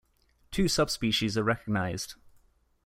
Two subspecies are recognized.